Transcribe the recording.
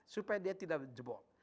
supaya dia tidak jebol